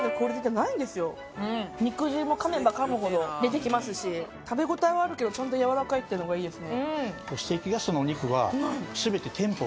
肉汁もかめばかむほど出てきますし食べ応えはあるけどちゃんとやわらかいっていうのがいいです。